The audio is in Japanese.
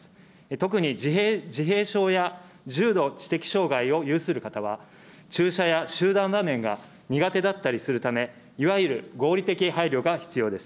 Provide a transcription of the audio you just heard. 特に自閉症や重度知的障害を有する方は、注射や集団場面が苦手だったりするため、いわゆる合理的配慮が必要です。